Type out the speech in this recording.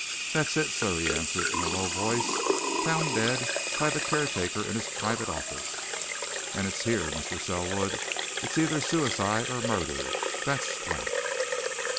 "That's it, sir," he answered in a low voice. "Found dead by the caretaker in his private office. And it's here Mr. Selwood, it's either suicide or murder. That's flat!"